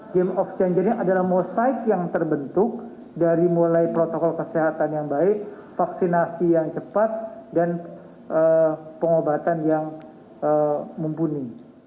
game of changernya adalah moside yang terbentuk dari mulai protokol kesehatan yang baik vaksinasi yang cepat dan pengobatan yang mumpuni